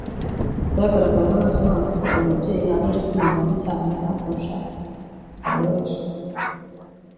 byagaragariye amaso y’abantu ko uyu mubyeyi yaba ari kwiyumvamo cyane Rihanna kurusha Karrueche